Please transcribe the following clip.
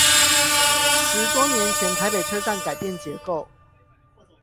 十多年前台北車站改變結構